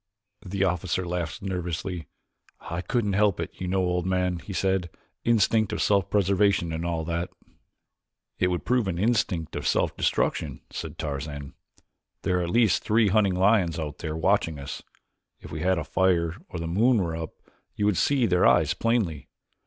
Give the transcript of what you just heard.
The officer laughed nervously. "I couldn't help it, you know, old man," he said; "instinct of self preservation and all that." "It would prove an instinct of self destruction," said Tarzan. "There are at least three hunting lions out there watching us. If we had a fire or the moon were up you would see their eyes plainly.